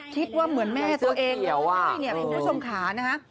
คิดว่าเหมือนแม่ตัวเองคุณผู้ชมขานะครับ